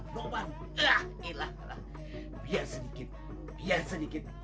nasi tiga sepiring dia cek kakek